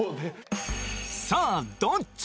さあどっち！？